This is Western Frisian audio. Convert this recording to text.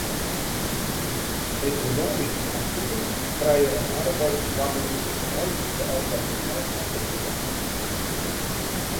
Ekonomysk aktiven krije in arbeidskoarting neist de algemiene heffingskoarting.